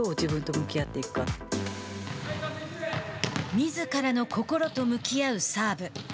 みずからの心と向き合うサーブ。